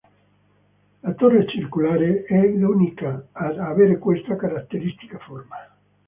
La Torre circolare è l'unica ad avere questa caratteristica forma.